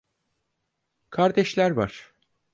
Kardeşler var…